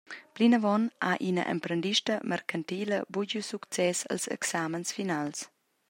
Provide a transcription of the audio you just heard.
Plinavon ha ina emprendista mercantila buca giu success als examens finals.